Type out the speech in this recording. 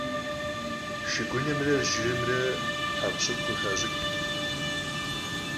Şşıgunımre jjırımre hekhu - şıkhu khıxaş'ıç'.